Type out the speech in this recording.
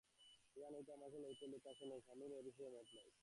সেখান হইতে আমাকে লইতে লোক আসে নাই, আমার স্বামীরও এবিষয়ে মত নাই।